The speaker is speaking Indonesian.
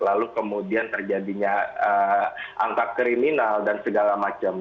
lalu kemudian terjadinya angka kriminal dan segala macam